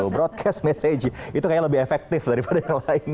broadcast messagi itu kayaknya lebih efektif daripada yang lain